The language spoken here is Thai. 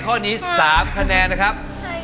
ข้อนี้๓คะแนนนะครับ